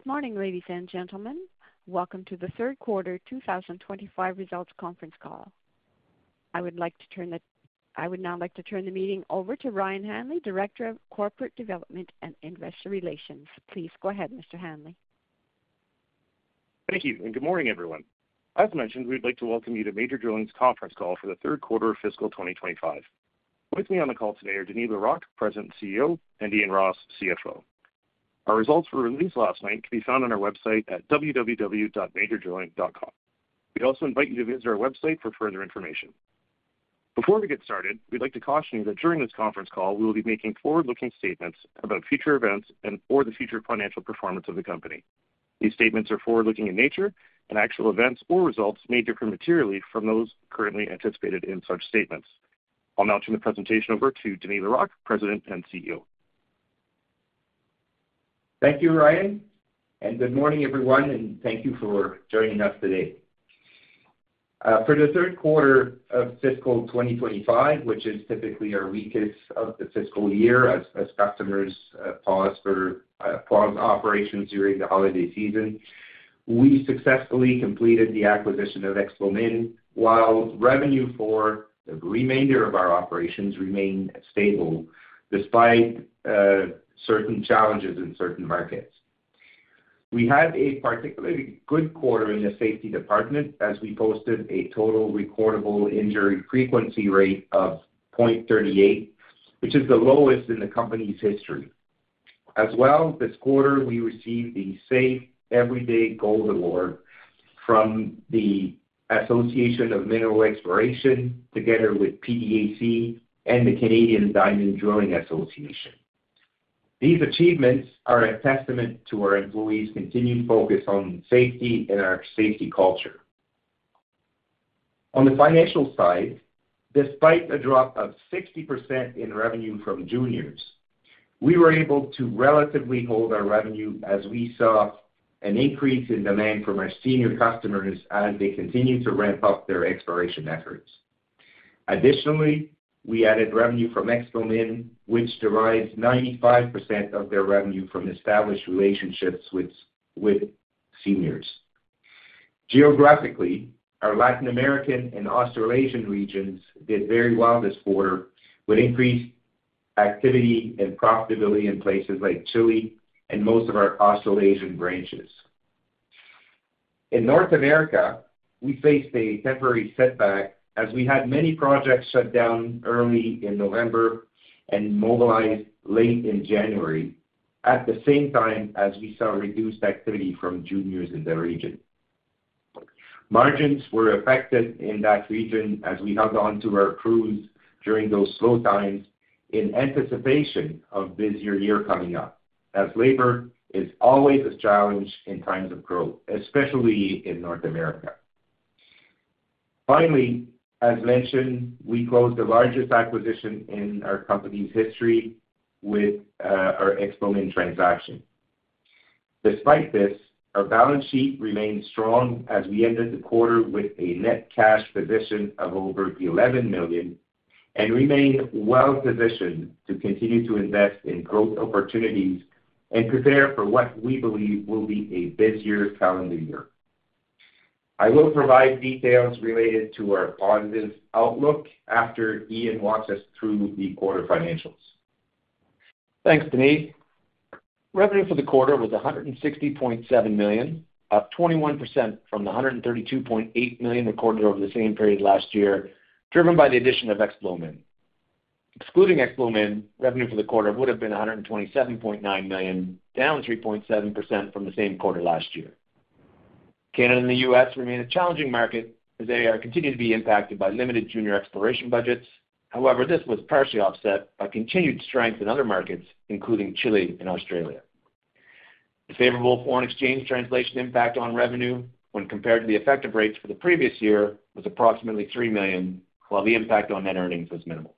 Good morning, ladies and gentlemen. Welcome to the third quarter 2025 results conference call. I would now like to turn the meeting over to Ryan Hanley, Director of Corporate Development and Investor Relations. Please go ahead, Mr. Hanley. Thank you, and good morning, everyone. As mentioned, we'd like to welcome you to Major Drilling's conference call for the third quarter of fiscal 2025. With me on the call today are Denis Larocque, President and CEO, and Ian Ross, CFO. Our results were released last night and can be found on our website at www.majordrilling.com. We also invite you to visit our website for further information. Before we get started, we'd like to caution you that during this conference call, we will be making forward-looking statements about future events and/or the future financial performance of the company. These statements are forward-looking in nature, and actual events or results may differ materially from those currently anticipated in such statements. I'll now turn the presentation over to Denis Larocque, President and CEO. Thank you, Ryan, and good morning, everyone, and thank you for joining us today. For the third quarter of fiscal 2025, which is typically our weakest of the fiscal year as customers pause operations during the holiday season, we successfully completed the acquisition of Explomin, while revenue for the remainder of our operations remained stable despite certain challenges in certain markets. We had a particularly good quarter in the safety department as we posted a total recordable injury frequency rate of 0.38, which is the lowest in the company's history. As well, this quarter, we received the Safe Everyday Gold Award from the Association for Mineral Exploration, together with PDAC and the Canadian Diamond Drilling Association. These achievements are a testament to our employees' continued focus on safety and our safety culture. On the financial side, despite a drop of 60% in revenue from juniors, we were able to relatively hold our revenue as we saw an increase in demand from our senior customers as they continued to ramp up their exploration efforts. Additionally, we added revenue from Explomin, which derives 95% of their revenue from established relationships with seniors. Geographically, our Latin American and Australasian regions did very well this quarter, with increased activity and profitability in places like Chile and most of our Australasian branches. In North America, we faced a temporary setback as we had many projects shut down early in November and mobilized late in January, at the same time as we saw reduced activity from juniors in the region. Margins were affected in that region as we held on to our crews during those slow times in anticipation of a busier year coming up, as labor is always a challenge in times of growth, especially in North America. Finally, as mentioned, we closed the largest acquisition in our company's history with our Explomin transaction. Despite this, our balance sheet remained strong as we ended the quarter with a net cash position of over $11 million and remained well-positioned to continue to invest in growth opportunities and prepare for what we believe will be a busier calendar year. I will provide details related to our positive outlook after Ian walks us through the quarter financials. Thanks, Denis. Revenue for the quarter was $160.7 million, up 21% from the $132.8 million recorded over the same period last year, driven by the addition of Explomin. Excluding Explomin, revenue for the quarter would have been $127.9 million, down 3.7% from the same quarter last year. Canada and the U.S. remain a challenging market as they continue to be impacted by limited junior exploration budgets. However, this was partially offset by continued strength in other markets, including Chile and Australia. The favorable foreign exchange translation impact on revenue, when compared to the effective rates for the previous year, was approximately $3 million, while the impact on net earnings was minimal.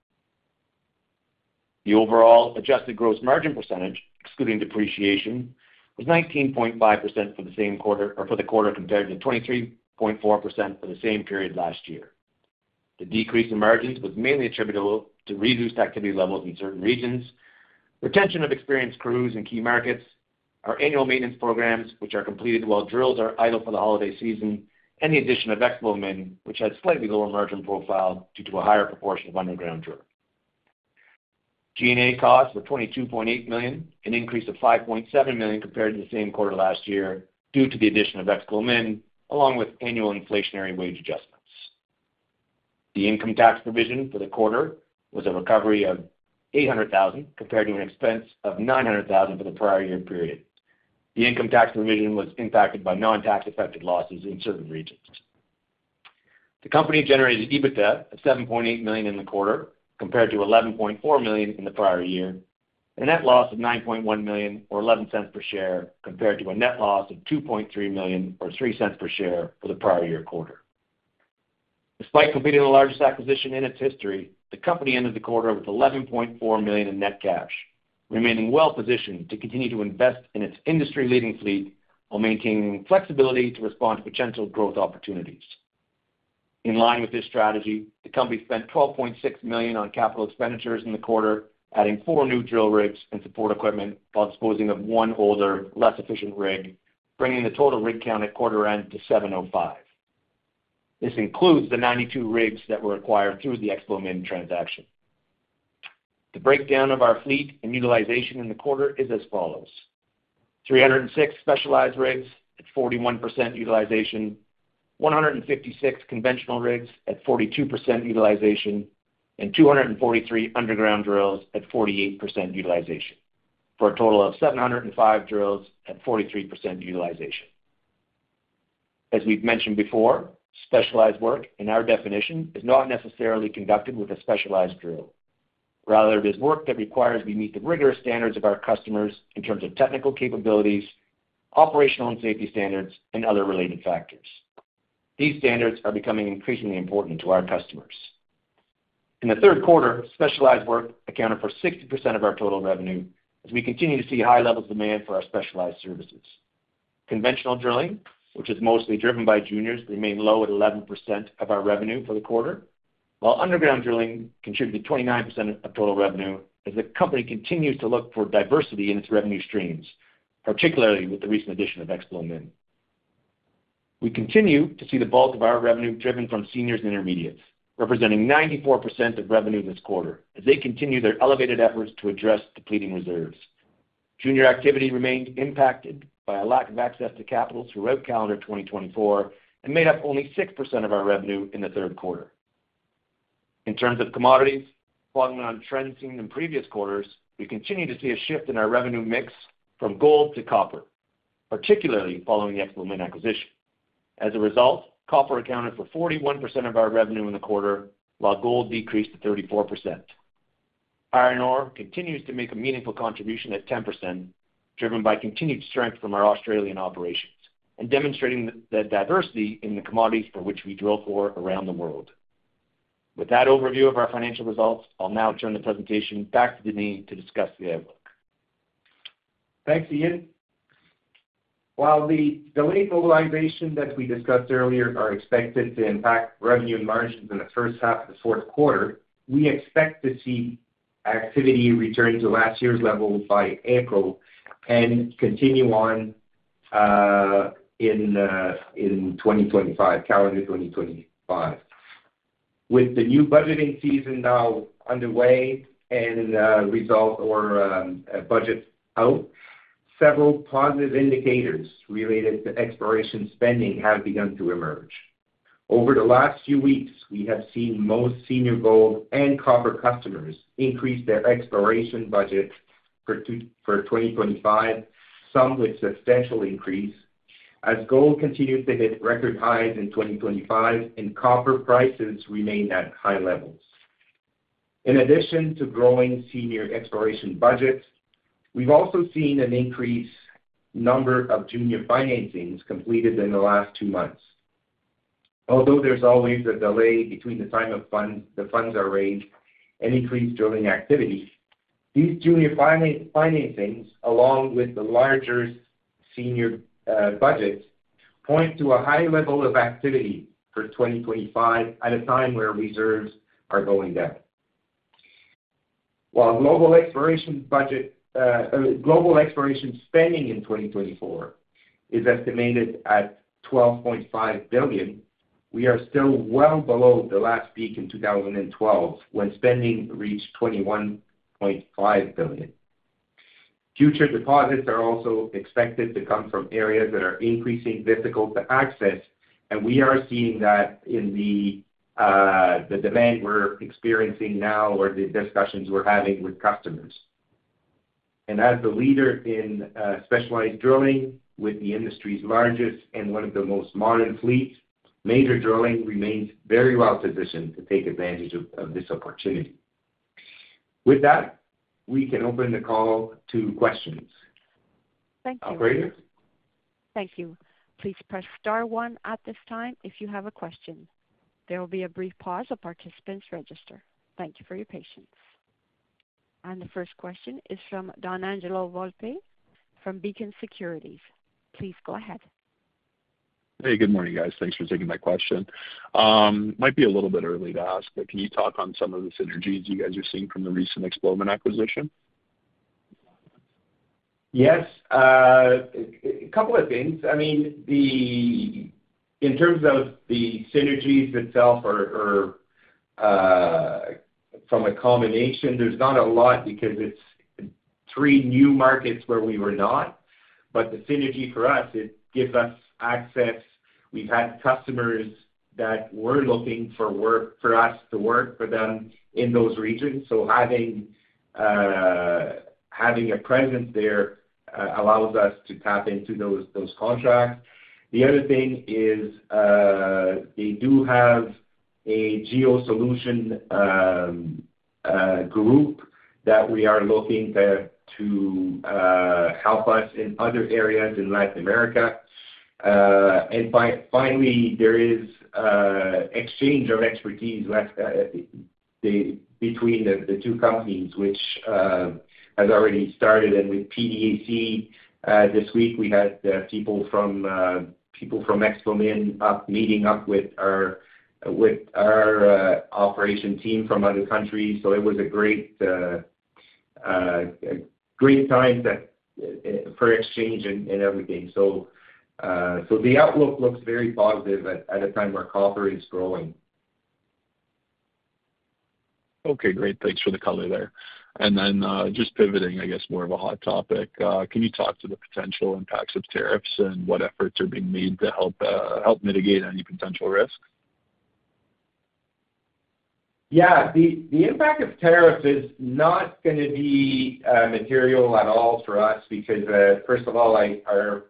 The overall adjusted gross margin percentage, excluding depreciation, was 19.5% for the same quarter compared to 23.4% for the same period last year. The decrease in margins was mainly attributable to reduced activity levels in certain regions, retention of experienced crews in key markets, our annual maintenance programs, which are completed while drills are idle for the holiday season, and the addition of Explomin, which had slightly lower margin profile due to a higher proportion of underground drillers. G&A costs were $22.8 million, an increase of $5.7 million compared to the same quarter last year due to the addition of Explomin, along with annual inflationary wage adjustments. The income tax provision for the quarter was a recovery of $800,000 compared to an expense of $900,000 for the prior year period. The income tax provision was impacted by non-tax-affected losses in certain regions. The company generated EBITDA of $7.8 million in the quarter, compared to $11.4 million in the prior year, and a net loss of $9.1 million, or $0.11 per share, compared to a net loss of $2.3 million, or $0.03 per share, for the prior year quarter. Despite completing the largest acquisition in its history, the company ended the quarter with $11.4 million in net cash, remaining well-positioned to continue to invest in its industry-leading fleet while maintaining flexibility to respond to potential growth opportunities. In line with this strategy, the company spent $12.6 million on capital expenditures in the quarter, adding four new drill rigs and support equipment while disposing of one older, less efficient rig, bringing the total rig count at quarter-end to 705. This includes the 92 rigs that were acquired through the Explomin transaction. The breakdown of our fleet and utilization in the quarter is as follows: 306 specialized rigs at 41% utilization, 156 conventional rigs at 42% utilization, and 243 underground drills at 48% utilization, for a total of 705 drills at 43% utilization. As we've mentioned before, specialized work, in our definition, is not necessarily conducted with a specialized drill. Rather, it is work that requires we meet the rigorous standards of our customers in terms of technical capabilities, operational and safety standards, and other related factors. These standards are becoming increasingly important to our customers. In the third quarter, specialized work accounted for 60% of our total revenue as we continue to see high-level demand for our specialized services. Conventional drilling, which is mostly driven by juniors, remained low at 11% of our revenue for the quarter, while underground drilling contributed 29% of total revenue as the company continues to look for diversity in its revenue streams, particularly with the recent addition of Explomin. We continue to see the bulk of our revenue driven from seniors and intermediates, representing 94% of revenue this quarter as they continue their elevated efforts to address depleting reserves. Junior activity remained impacted by a lack of access to capital throughout calendar 2024 and made up only 6% of our revenue in the third quarter. In terms of commodities, following on trends seen in previous quarters, we continue to see a shift in our revenue mix from gold to copper, particularly following the Explomin acquisition. As a result, copper accounted for 41% of our revenue in the quarter, while gold decreased to 34%. Iron ore continues to make a meaningful contribution at 10%, driven by continued strength from our Australian operations and demonstrating the diversity in the commodities for which we drill for around the world. With that overview of our financial results, I'll now turn the presentation back to Denis to discuss the outlook. Thanks, Ian. While the delayed mobilization that we discussed earlier is expected to impact revenue and margins in the first half of the fourth quarter, we expect to see activity return to last year's levels by April and continue on in calendar 2025. With the new budgeting season now underway and results or budgets out, several positive indicators related to exploration spending have begun to emerge. Over the last few weeks, we have seen most senior gold and copper customers increase their exploration budgets for 2025, some with substantial increase, as gold continues to hit record highs in 2025 and copper prices remain at high levels. In addition to growing senior exploration budgets, we've also seen an increased number of junior financings completed in the last two months. Although there's always a delay between the time the funds are raised and increased drilling activity, these junior financings, along with the larger senior budgets, point to a high level of activity for 2025 at a time where reserves are going down. While global exploration spending in 2024 is estimated at $12.5 billion, we are still well below the last peak in 2012 when spending reached $21.5 billion. Future deposits are also expected to come from areas that are increasingly difficult to access, and we are seeing that in the demand we're experiencing now or the discussions we're having with customers. As the leader in specialized drilling, with the industry's largest and one of the most modern fleets, Major Drilling remains very well-positioned to take advantage of this opportunity. With that, we can open the call to questions. Thank you. Operator? Thank you. Please press star one at this time if you have a question. There will be a brief pause while participants register. Thank you for your patience. The first question is from Donangelo Volpe from Beacon Securities. Please go ahead. Hey, good morning, guys. Thanks for taking my question. Might be a little bit early to ask, but can you talk on some of the synergies you guys are seeing from the recent Explomin acquisition? Yes. A couple of things. I mean, in terms of the synergies itself or from a combination, there's not a lot because it's three new markets where we were not. The synergy for us, it gives us access. We've had customers that were looking for work for us to work for them in those regions. Having a presence there allows us to tap into those contracts. The other thing is they do have a Geosolutions group that we are looking to help us in other areas in Latin America. Finally, there is exchange of expertise between the two companies, which has already started. With PDAC this week, we had people from Explomin meeting up with our operation team from other countries. It was a great time for exchange and everything. The outlook looks very positive at a time where copper is growing. Okay, great. Thanks for the color there. Just pivoting, I guess, more of a hot topic. Can you talk to the potential impacts of tariffs and what efforts are being made to help mitigate any potential risks? Yeah. The impact of tariffs is not going to be material at all for us because, first of all, the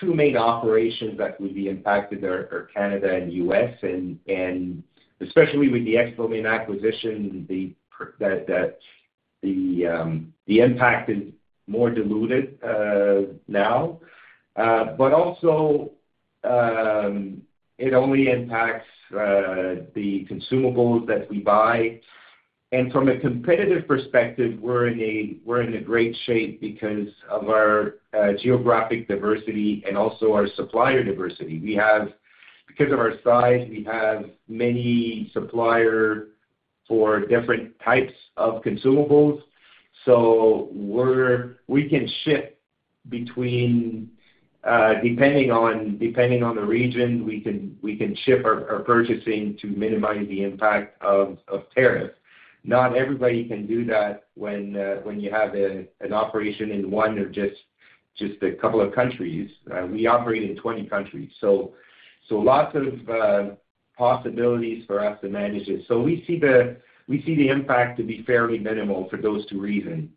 two main operations that would be impacted are Canada and the U.S. Especially with the Explomin acquisition, the impact is more diluted now. It only impacts the consumables that we buy. From a competitive perspective, we're in great shape because of our geographic diversity and also our supplier diversity. Because of our size, we have many suppliers for different types of consumables. We can shift between depending on the region, we can shift our purchasing to minimize the impact of tariffs. Not everybody can do that when you have an operation in one or just a couple of countries. We operate in 20 countries. Lots of possibilities for us to manage it. We see the impact to be fairly minimal for those two reasons.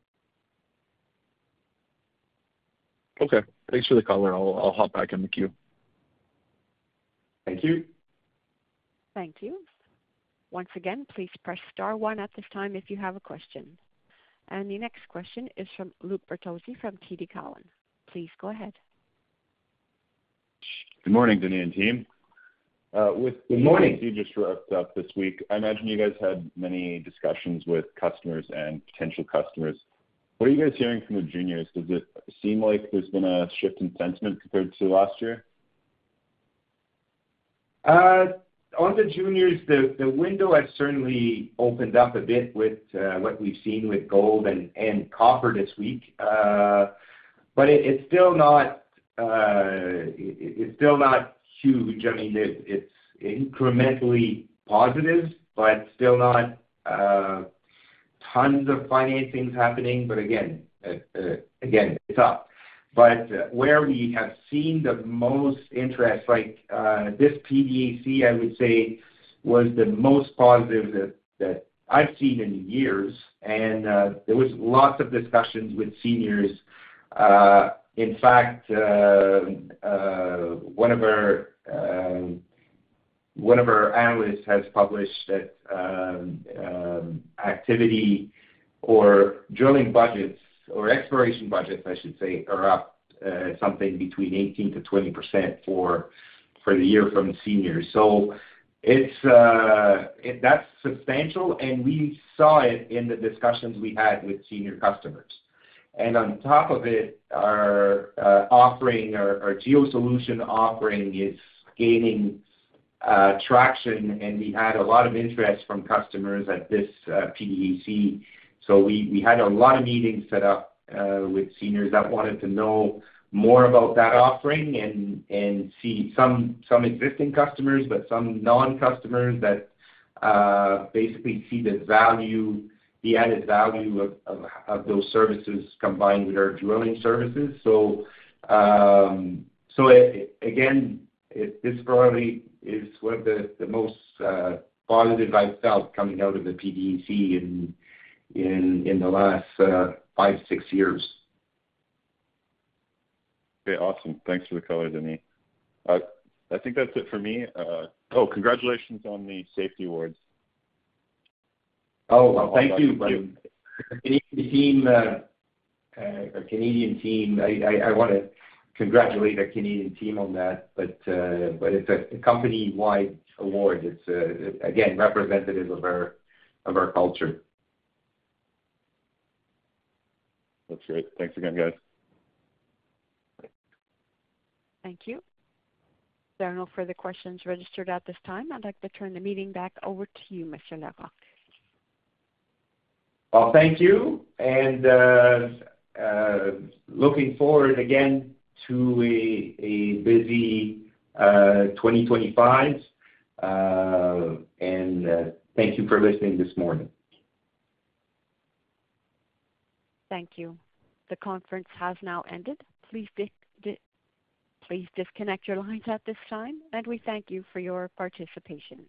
Okay. Thanks for the color. I'll hop back in the queue. Thank you. Thank you. Once again, please press star one at this time if you have a question. The next question is from Luke Bertozzi from TD Cowen. Please go ahead. Good morning, Denis and team. Good morning. With the news you just wrote up this week, I imagine you guys had many discussions with customers and potential customers. What are you guys hearing from the juniors? Does it seem like there's been a shift in sentiment compared to last year? On the juniors, the window has certainly opened up a bit with what we've seen with gold and copper this week. I mean, it's incrementally positive, but still not tons of financings happening. Again, it's up. Where we have seen the most interest, like this PDAC, I would say, was the most positive that I've seen in years. There was lots of discussions with seniors. In fact, one of our analysts has published that activity or drilling budgets or exploration budgets, I should say, are up something between 18%-20% for the year from seniors. That's substantial, and we saw it in the discussions we had with senior customers. On top of it, our geosolutions offering is gaining traction, and we had a lot of interest from customers at this PDAC. We had a lot of meetings set up with seniors that wanted to know more about that offering and see some existing customers, but some non-customers that basically see the added value of those services combined with our drilling services. Again, this probably is one of the most positive I've felt coming out of the PDAC in the last five, six years. Okay. Awesome. Thanks for the color, Denis. I think that's it for me. Oh, congratulations on the safety awards. Oh, thank you. The Canadian team, I want to congratulate our Canadian team on that. It is a company-wide award. It is, again, representative of our culture. That's great. Thanks again, guys. Thank you. There are no further questions registered at this time. I'd like to turn the meeting back over to you, Mr. Larocque. Thank you. Looking forward again to a busy 2025. Thank you for listening this morning. Thank you. The conference has now ended. Please disconnect your lines at this time. We thank you for your participation.